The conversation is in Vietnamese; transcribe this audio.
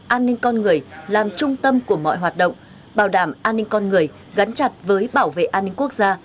an ninh con người làm trung tâm của mọi hoạt động bảo đảm an ninh con người gắn chặt với bảo vệ an ninh quốc gia